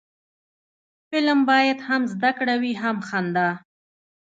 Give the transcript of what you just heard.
فلم باید هم زده کړه وي، هم خندا